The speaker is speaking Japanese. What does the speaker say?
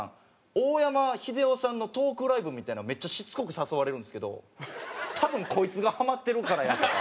大山英雄さんのトークライブみたいなのめっちゃしつこく誘われるんですけど多分こいつがハマってるからや。